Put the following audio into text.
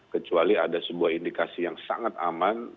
kecuali ada sebuah indikasi yang sangat aman